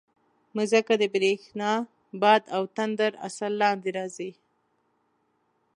مځکه د برېښنا، باد او تندر اثر لاندې راځي.